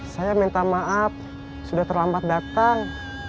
saya minta maaf sudah terlambat datang